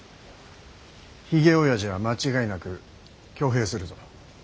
ひげおやじは間違いなく挙兵するぞ。